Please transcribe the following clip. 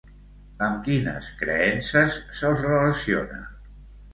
Amb quines creences se'ls relaciona?